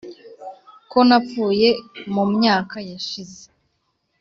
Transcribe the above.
ko napfuye mu myaka yashize,